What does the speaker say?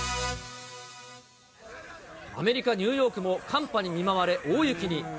アメリカ・ニューヨークも寒波に見舞われ、大雪に。